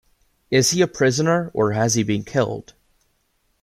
Is he a prisoner or has he been killed?